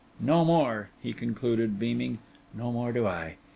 No more,' he concluded, beaming, 'no more do I.